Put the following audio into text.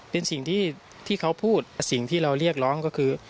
เป็นสิ่งที่เขาพูดสิ่งที่เราเรียกร้องก็คือ